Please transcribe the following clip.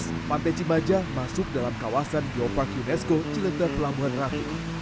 sejak dua ribu tujuh belas pantai cimaja masuk dalam kawasan biopark unesco cilindar pelabuhan ratu